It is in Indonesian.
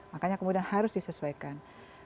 makanya kemudian harus disesuaikan